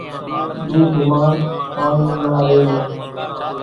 ۮوڌ مان پاڻِي نا ريڙو۔